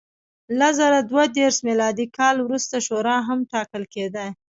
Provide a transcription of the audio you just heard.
له زر دوه دېرش میلادي کال وروسته شورا هم ټاکل کېده.